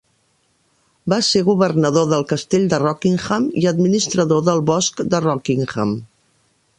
Va ser governador del castell de Rockingham i administrador del bosc de Rockingham.